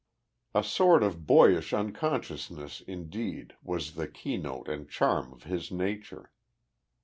A sort of boyish unconsciousness, indeed, was the keynote and charm of his nature.